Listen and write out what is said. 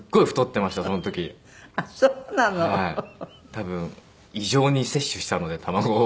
多分異常に摂取したので卵を。